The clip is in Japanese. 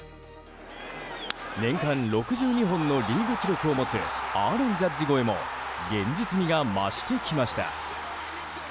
年間６２本のリーグ記録を持つアーロン・ジャッジ超えも現実味が増してきました。